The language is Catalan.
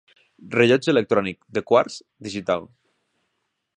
Rellotge electrònic, de quars, digital.